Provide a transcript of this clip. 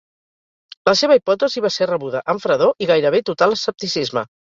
La seva hipòtesi va ser rebuda amb fredor i gairebé total escepticisme.